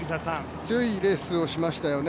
強いレースをしましたよね